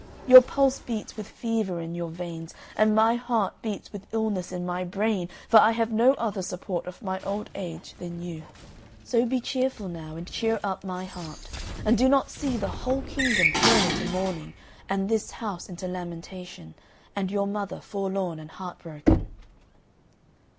Your pulse beats with fever in your veins, and my heart beats with illness in my brain, for I have no other support of my old age than you. So be cheerful now, and cheer up my heart, and do not see the whole kingdom thrown into mourning, this house into lamentation, and your mother forlorn and heart broken."